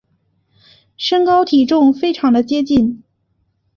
身高体重非常的接近